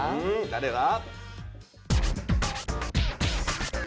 誰だ？